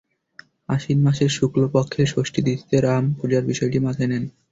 আশ্বিন মাসের শুক্ল পক্ষের ষষ্ঠী তিথিতে রাম পূজার বিষয়টি মাথায় নেন।